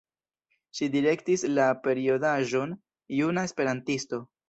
Ŝi direktis la periodaĵon „Juna Esperantisto“.